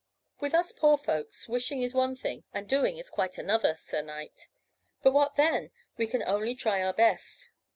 With us poor folks, wishing is one thing, and doing is quite another, Sir Knight; but what then? we can only try our best.